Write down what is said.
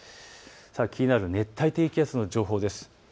気になる熱帯低気圧の情報です。